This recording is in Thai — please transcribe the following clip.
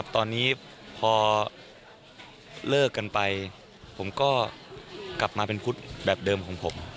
ตอนนี้พอเลิกกันไปผมก็กลับมาเป็นพุทธแบบเดิมของผม